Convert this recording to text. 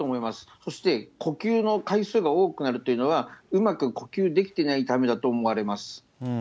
そして呼吸の回数が多くなるというのは、うまく呼吸できていないためだと思われます。